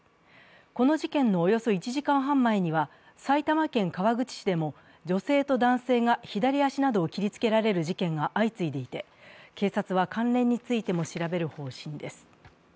この事件のおよそ１時間半前には埼玉県川口市でも、女性と男性が左足などを切りつけられる事件が相次いでいて、警察は関連についても調べる方針です。